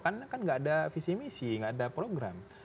karena kan enggak ada visi misi enggak ada program